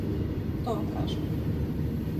То вам кажем.